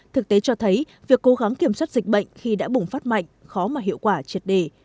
thực tế cho thấy việc cố gắng kiểm soát dịch bệnh khi đã bùng phát mạnh khó mà hiệu quả triệt đề